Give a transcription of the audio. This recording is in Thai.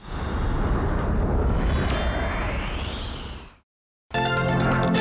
แกงปวดด้วนราคา